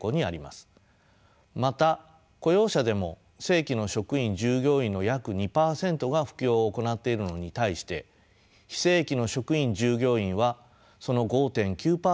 また雇用者でも正規の職員従業員の約２％が副業を行っているのに対して非正規の職員従業員はその５．９％が副業を持っています。